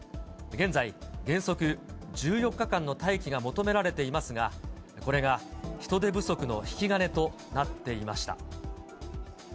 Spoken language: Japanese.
現在、原則１４日間の待機が求められていますが、これが人手不足の引き金となっていました。